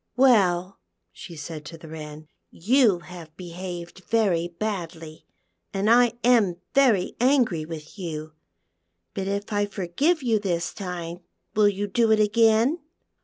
" Well, ' she said to the Wren, " you have behcived very badly, and I am very angry with \ ou ; but if I forgive you this time will you do it again